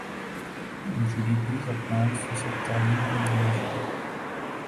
جی D P کا پانچ فیصد تعلیم کو دیا جائے